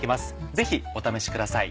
ぜひお試しください。